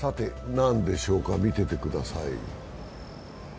なんでしょうか、見ててください。